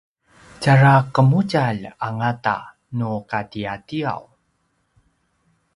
tjara qemudjalj a ngata nu katiatiaw